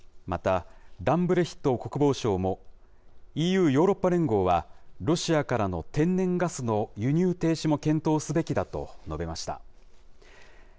また、ランブレヒト国防相も、ＥＵ・ヨーロッパ連合は、ロシアからの天然ガスの輸入停止も検討すべきだと述べました。